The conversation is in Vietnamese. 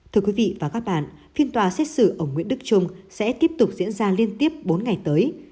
thưa quý vị và các bạn phiên tòa xét xử ông nguyễn đức trung sẽ tiếp tục diễn ra liên tiếp bốn ngày tới